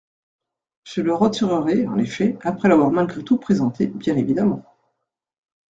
Je le retirerai, en effet, après l’avoir malgré tout présenté, bien évidemment.